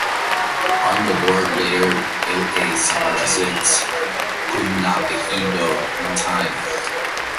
Arne Garborg later built a summer residence, "Knudaheio", in Time.